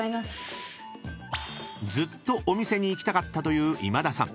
［ずっとお店に行きたかったという今田さん］